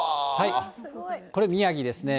これ、宮城ですね。